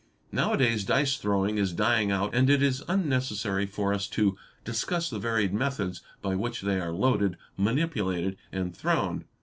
Now a days dice throwing is dying out and it is unnecessary for us to discuss the varied methods by which they are loaded, manipulated, and thrown.